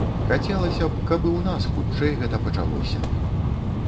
Хацелася б, каб і у нас хутчэй гэта пачалося.